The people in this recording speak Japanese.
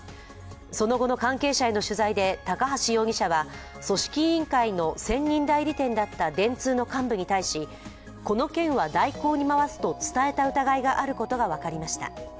その後の関係者への取材で高橋容疑者は組織委員会の専任代理店だった電通の幹部に対しこの件は大広に回すと伝えた疑いがあることが分かりました。